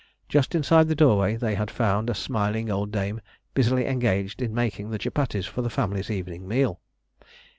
Just inside the doorway they had found a smiling old dame busily engaged in making the chupatties for the family's evening meal.